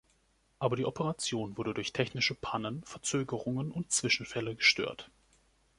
Aber die Operation wurde durch technische Pannen, Verzögerungen und Zwischenfälle gestört.